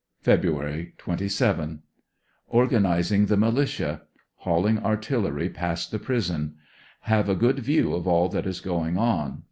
Feb. 27. — Organizing the militia; hauling artillery past the prison. Have a good view of all that is going on.